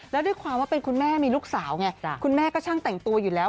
แล้วด้วยความว่าเป็นคุณแม่มีลูกสาวไงคุณแม่ก็ช่างแต่งตัวอยู่แล้ว